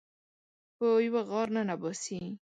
په یوه غار ننه باسي